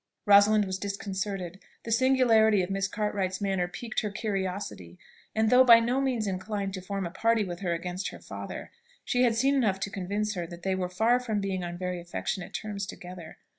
Rosalind was disconcerted. The singularity of Miss Cartwright's manner piqued her curiosity, and though by no means inclined to form a party with her against her father, she had seen enough to convince her that they were far from being on very affectionate terms together.